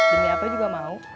demi apa juga mau